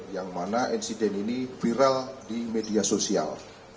yang mana insiden ini viral di media sosial